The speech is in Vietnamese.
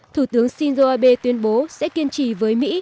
thủ tướng shinzo abe tuyên bố sẽ kiên trì với mỹ